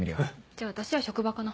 じゃあ私は職場かな。